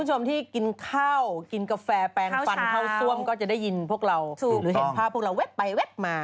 ก็จะได้ยินพวกเราหรือเห็นพวกเราเว็บไปเว็บมา